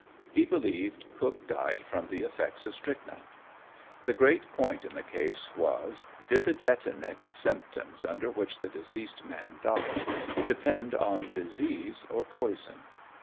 He believed Cook died from the effects of strychnine. The great point in the case was, did the tetanic symptoms, under which the deceased man died, depend on disease or poison?